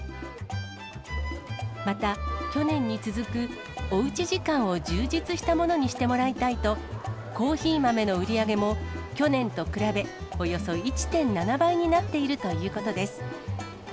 また、去年に続くおうち時間を充実したものにしてもらいたいと、コーヒー豆の売り上げも、去年と比べおよそ１．７倍になっているということです。